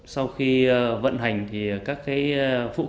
sau khi vận hành thì các cái phụ kiện thay thế thì nay cũng không triển khai được